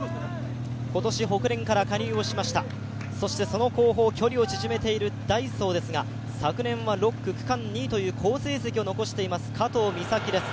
今年、ホクレンから加入をしましたそしてその後方、距離を縮めているダイソーですが昨年は６区、区間２位という好成績を残しています加藤美咲です。